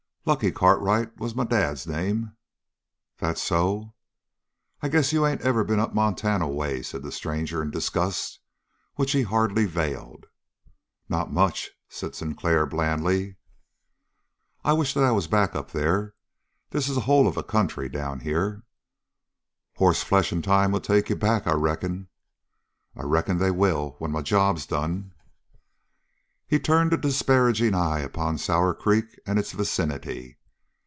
"Lucky Cartwright was my dad's name." "That so?" "I guess you ain't ever been up Montana way," said the stranger in disgust which he hardly veiled. "Not much," said Sinclair blandly. "I wished that I was back up there. This is a hole of a country down here." "Hossflesh and time will take you back, I reckon." "I reckon they will, when my job's done." He turned a disparaging eye upon Sour Creek and its vicinity.